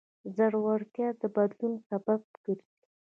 زړورتیا د بدلون سبب ګرځي.